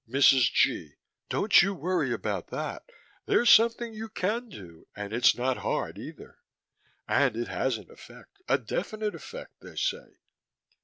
MRS. G.: Don't you worry about that. There's something you can do and it's not hard, either. And it has an effect. A definite effect, they say.